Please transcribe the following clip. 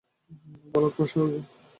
বলদ ফর্সা লোকজন।